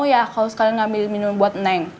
mama gak mau ya kalau sekalian ngambil minum buat neng